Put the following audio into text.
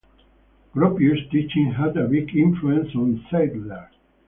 Gropius' teachings had a big influence on Seidler.